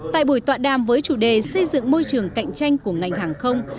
tại buổi tọa đàm với chủ đề xây dựng môi trường cạnh tranh của ngành hàng không